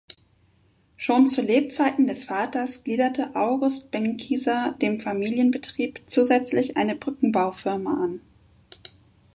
Schon zu Lebzeiten des Vaters gliederte August Benckiser dem Familienbetrieb zusätzlich eine Brückenbau-Firma an.